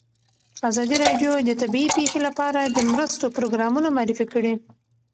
ازادي راډیو د طبیعي پېښې لپاره د مرستو پروګرامونه معرفي کړي.